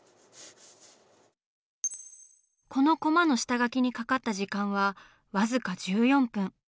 このコマの下描きにかかった時間はわずか１４分。